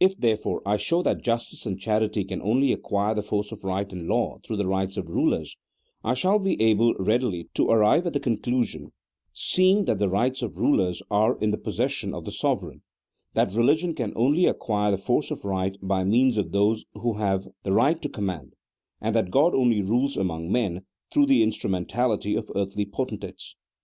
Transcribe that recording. If, therefore, I show that justice and charity can only acquire the force of right and law through the rights of rulers, I shall be able readily to arrive at the conclusion (seeing that the rights of rulers are in the possession of the sovereign), that religion can only acquire the force of right by means of those who have the right to command, and that God only rules among men through the instrumentality of earthly potentates.